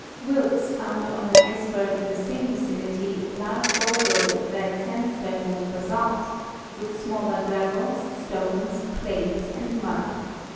Wilkes found on an iceberg in the same vicinity large bowlders of red sandstone and basalt, with smaller gravels, stones, clays and mud.